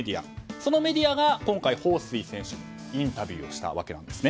そのメディアが今回ホウ・スイ選手にインタビューをしたわけなんです。